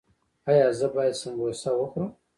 ایا زه باید سموسه وخورم؟